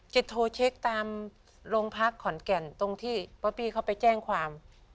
โทรเช็คตามโรงพักขอนแก่นตรงที่ว่าพี่เขาไปแจ้งความ